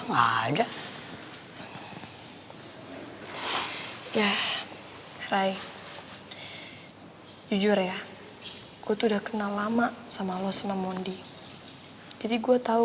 nggak ada ya hai ya ray jujur ya gue udah kenal lama sama lo semua mondi jadi gue tahu